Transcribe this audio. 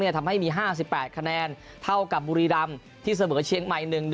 ทำให้มี๕๘คะแนนเท่ากับบุรีรำที่เสมอเชียงใหม่๑๑